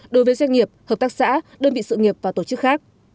đối với doanh nghiệp hợp tác xã đơn vị sự nghiệp và tổ chức khác